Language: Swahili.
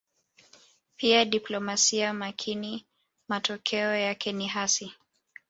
Bila diplomasia makini matokeo yake ni hasi